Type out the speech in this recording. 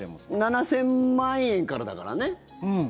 ７０００万円からだからね。